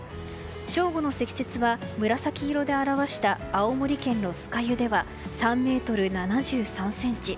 正午の積雪は紫色で表した青森県の酸ヶ湯では３ｍ７３ｃｍ。